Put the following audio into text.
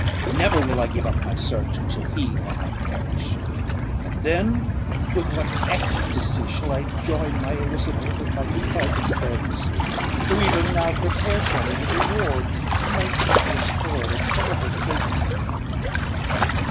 Never will I give up my search, until he or I perish; and then with what ecstasy shall I join my Elizabeth, and my departed friends, who even now prepare for me the reward of my tedious toil and horrible pilgrimage!